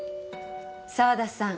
沢田さん。